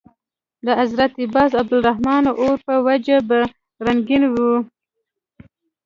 د حضرت باز او عبدالرحمن اور په وجه به رنګین وو.